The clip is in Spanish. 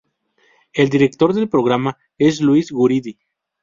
El director del programa es Luis Guridi.